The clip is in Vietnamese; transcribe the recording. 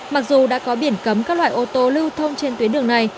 mặc dù đã có biển cấm các loại ô tô lưu thông trên tuyến đường này